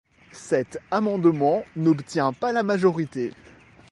Cet amendement n’obtient pas la majorité.